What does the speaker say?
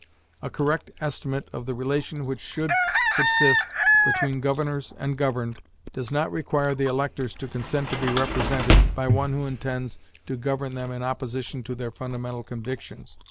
A correct estimate of the relation which should subsist between governors and governed does not require the electors to consent to be represented by one who intends to govern them in opposition to their fundamental convictions.